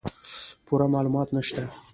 پوره معلومات نشته